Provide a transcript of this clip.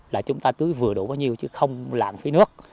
là chúng ta tưới vừa đủ bao nhiêu chứ không lạng phí nước